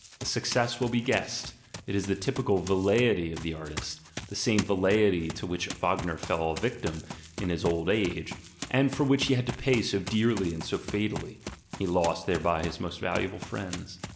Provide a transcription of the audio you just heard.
The success will be guessed — it is the typical velleity of the artist; the same velleity to which Wagner fell a victim in his old age, and for which he had to pay so dearly and so fatally (he lost thereby his most valuable friends).